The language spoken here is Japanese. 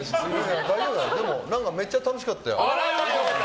めっちゃ楽しかったよ。